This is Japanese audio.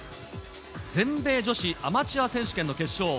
全米女子アマチュア選手権の決勝。